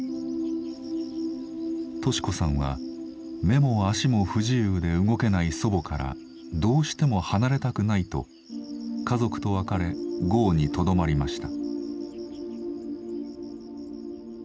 敏子さんは目も足も不自由で動けない祖母からどうしても離れたくないと家族と別れ壕にとどまりました。